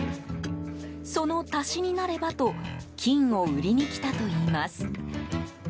その足しになればと金を売りに来たといいます。